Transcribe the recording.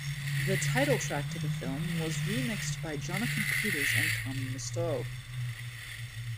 The title track to the film was remixed by Jonathan Peters and Tommy Musto.